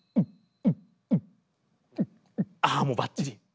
ああもうばっちり！